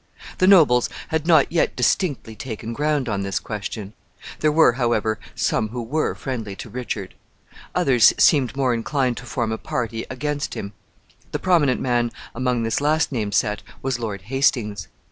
The nobles had not yet distinctly taken ground on this question. There were, however, some who were friendly to Richard. Others seemed more inclined to form a party against him. The prominent man among this last named set was Lord Hastings.